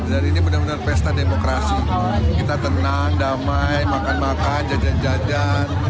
ini benar benar pesta demokrasi kita tenang damai makan makan jajan jajan